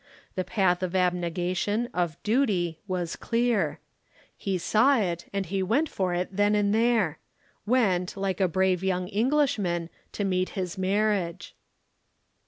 The path of abnegation, of duty, was clear. He saw it and he went for it then and there went, like a brave young Englishman, to meet his marriage.